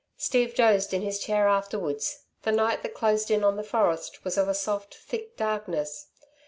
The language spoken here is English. Steve dozed in his chair afterwards. The night that closed in on the forest was of a soft, thick darkness.